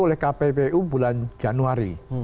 oleh kppu bulan januari